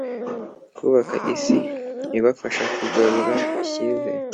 Kubaka Isi Ibafasha Kugarura Icyizere